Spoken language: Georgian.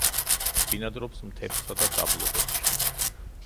ბინადრობს მთებსა და დაბლობებში.